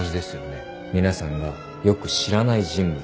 皆さんがよく知らない人物。